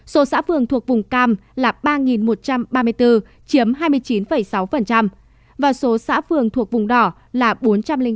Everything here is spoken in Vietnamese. số xã phường thuộc vùng cam là ba một trăm ba mươi bốn chiếm hai mươi chín sáu và số xã phường thuộc vùng đỏ là bốn trăm linh ba